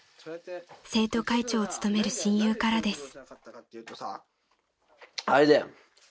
［生徒会長を務める親友からです］